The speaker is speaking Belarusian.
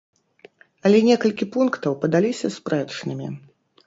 Але некалькі пунктаў падаліся спрэчнымі.